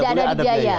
tidak perlu ada biaya